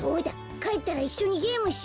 かえったらいっしょにゲームしようよ。